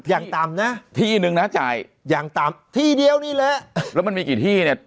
อย่างต่ำนะที่นึงนะจ่ายอย่างต่ำที่เดียวนี่แหละแล้วมันมีกี่ที่เนี่ย